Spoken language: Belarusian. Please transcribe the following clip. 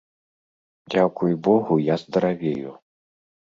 Дзякуй богу, я здаравею.